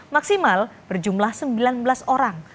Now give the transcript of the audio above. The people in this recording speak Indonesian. maksimal berjumlah sembilan belas orang